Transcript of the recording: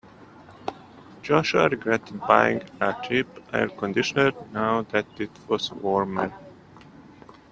Joshua regretted buying a cheap air conditioner now that it was warmer.